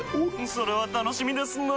それは楽しみですなぁ。